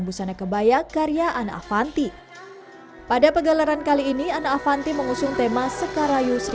busanek kebaya karya anavanti pada pegaleran kali ini anavanti mengusung tema sekarayu sri